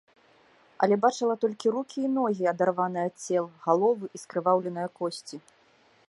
Але бачыла толькі рукі і ногі, адарваныя ад цел, галовы і скрываўленыя косці.